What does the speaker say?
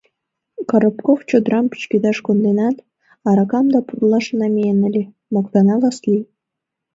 — Коробков чодырам пӱчкедаш конденат, аракам да пурлаш намиен ыле, — моктана Васлий.